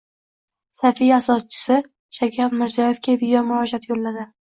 Safia asoschisi Shavkat Mirziyoyevga videomurojaat yo‘lladi